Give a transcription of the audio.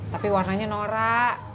tapi warnanya norak